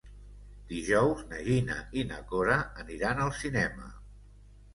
Dijous na Gina i na Cora aniran al cinema.